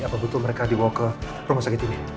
apa betul mereka dibawa ke rumah sakit ini